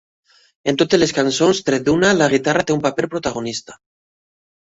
En totes les cançons, tret d'una, la guitarra té un paper protagonista.